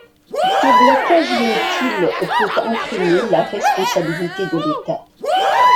Tout blocage inutile peut entraîner la responsabilité de l’État.